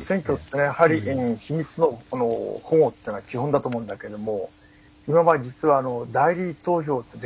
選挙ってやはり秘密の保護というのが基本だと思うんだけども今は実は代理投票ってできるんですね。